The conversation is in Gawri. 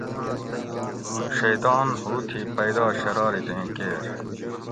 ایں شیطان ھو تھی پیدا شرارتیں کیر